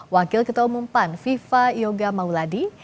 wakil ketua umum pan viva yoga mauladi